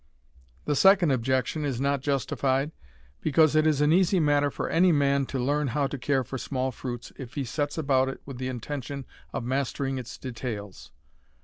The second objection is not justified, because it is an easy matter for any man to learn how to care for small fruits if he sets about it with the intention of mastering its details.